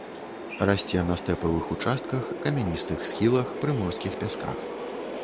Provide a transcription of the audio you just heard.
Расце на стэпавых участках, камяністых схілах, прыморскіх пясках.